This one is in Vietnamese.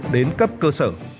đến cấp cơ sở